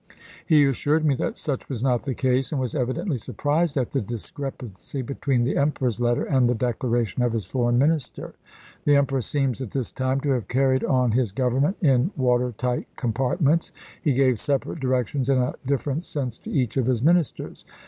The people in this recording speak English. He assured me that such was not the case, and was evidently surprised at the discrepancy between the Emperor's letter and the declaration of his Foreign Minister." The Emperor seems at this time to have carried on his Government in water tight compartments. He gave separate directions in a different sense to each of his ministers.